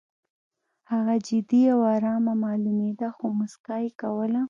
هغه جدي او ارامه معلومېده خو موسکا یې کوله